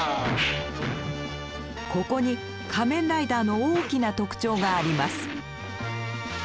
ここに「仮面ライダー」の大きな特徴があります。